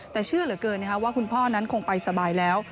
แต่เชื่อเหลือเกินว่าคุณพ่อนั้นคงไปสบายแล้ว